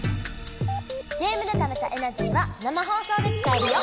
ゲームでためたエナジーは生放送で使えるよ！